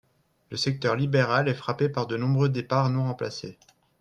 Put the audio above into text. Le secteur libéral est frappé par de nombreux départs non remplacés.